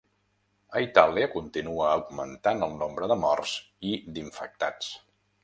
A Itàlia continua augmentant el nombre de morts i d’infectats.